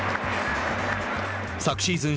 昨シーズン